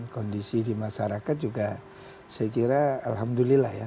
kondisi di masyarakat juga saya kira alhamdulillah ya